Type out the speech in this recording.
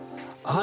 あ！